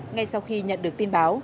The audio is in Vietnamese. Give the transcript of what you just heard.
ngay sau khi nhận được tin báo